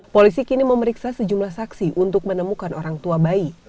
polisi kini memeriksa sejumlah saksi untuk menemukan orang tua bayi